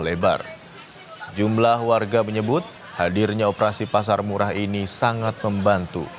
lebar sejumlah warga menyebut hadirnya operasi pasar murah ini sangat membantu